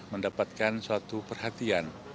mendapatkan suatu perhatian